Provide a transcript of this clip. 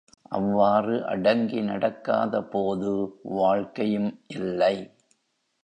அவ்வாறு அடங்கி நடக்காதபோது வாழ்க்கையும் இல்லை.